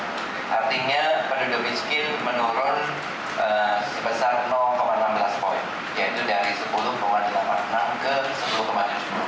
tetapi ada penurunan di sana